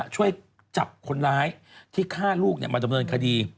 ช่วยจับคนร้ายที่ฆ่าลูกมาดำเนินคดี